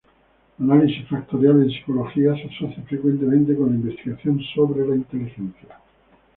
Análisis factorial en psicología se asocia frecuentemente con la investigación sobre la inteligencia.